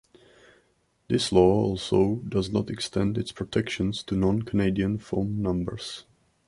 This law also does not extend its protections to non-Canadian phone numbers.